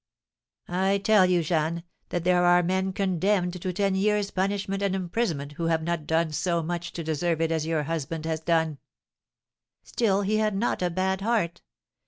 "I tell you, Jeanne, that there are men condemned to ten years' punishment and imprisonment who have not done so much to deserve it as your husband has done." "Still he had not a bad heart.